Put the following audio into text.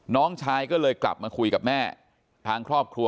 น้องชายก็เลยกลับมาคุยกับแม่ทางครอบครัว